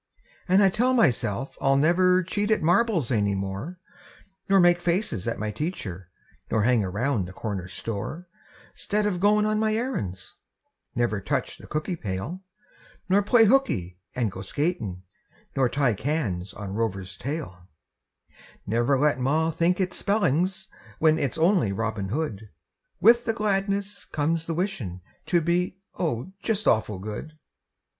An' I tell myself I'll never Cheat at marbles any more, Nor make faces at my teacher, Nor hang round the corner store 'Stead of goin' on my errands; Never touch the cookie pail, Nor play hooky an' go skatin', Nor tie cans on Rover's tail; Never let ma think it's spellings When it's only Robin Hood. With the gladness comes the wishin' To be, oh, just awful good!